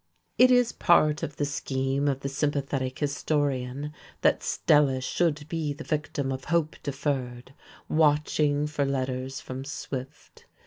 It is part of the scheme of the sympathetic historian that Stella should be the victim of hope deferred, watching for letters from Swift.